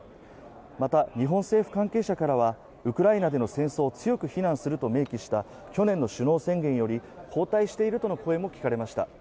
また、日本政府関係者からは、ウクライナでの戦争を強く非難すると明記した去年の首脳宣言より後退しているとの声も聞かれました。